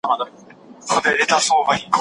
هغه څوک چي چمتو وي خپل فکر پلي کړي کامیاب دی.